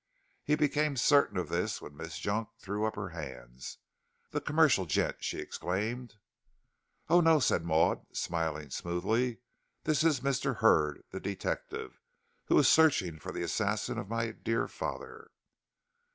He became certain of this when Miss Junk threw up her hands. "The commercial gent," she exclaimed. "Oh, no," said Maud, smiling smoothly. "This is Mr. Hurd, the detective, who is searching for the assassin of my dear father."